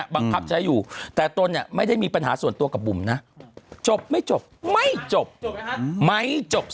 บางภัพจะอยู่แต่ต้นไม่ได้มีปัญหาส่วนตัวกับบุ๋มจบไม่จบ